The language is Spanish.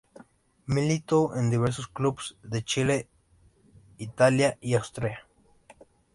Militó en diversos clubes de Chile, Italia y Austria.